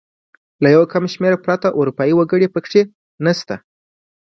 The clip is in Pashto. له یو کم شمېر پرته اروپايي وګړي پکې نه دي.